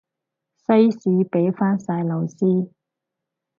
西史畀返晒老師